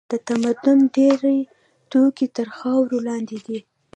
د تمدن ډېر توکي تر خاورو لاندې دي.